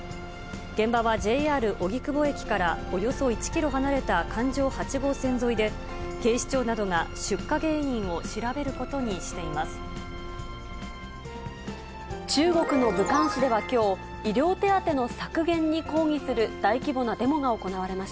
現場はＪＲ荻窪駅からおよそ１キロ離れた環状８号線沿いで、警視庁などが出火原因を調べることにしています。